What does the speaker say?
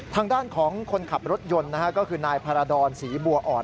ทางด้านของคนขับรถยนต์นะฮะก็คือนายพาราดรศรีบัวอ่อน